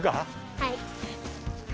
はい。